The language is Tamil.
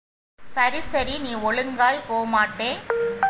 சரி சரி நீ ஒழுங்காப் போமாட்டே!